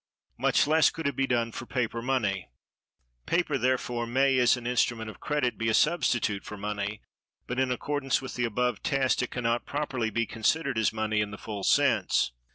Much less could it be done for paper money. Paper, therefore, may, as an instrument of credit, be a substitute for money; but, in accordance with the above test, it can not properly be considered as money in the full sense.